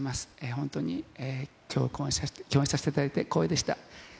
本当に共演させていただいて光栄でした。